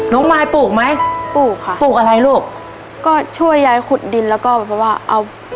มายปลูกไหมปลูกค่ะปลูกอะไรลูกก็ช่วยยายขุดดินแล้วก็แบบว่าเอา